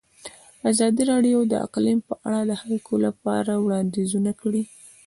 ازادي راډیو د اقلیم په اړه د حل کولو لپاره وړاندیزونه کړي.